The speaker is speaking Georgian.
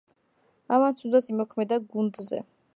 ამან ცუდად იმოქმედა გუნდზე.